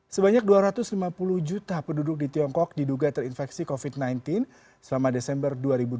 sebanyak dua ratus lima puluh juta penduduk di tiongkok diduga terinfeksi covid sembilan belas selama desember dua ribu dua puluh